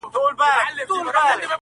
سړیتوب کي دغه شان د مردانه دی-